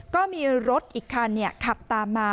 ก็มีรถอีกคันขับตามมา